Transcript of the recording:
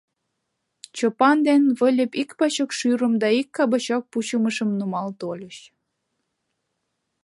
Чопан ден Выльып ик бачок шӱрым да ик бачок пучымышым нумал тольыч.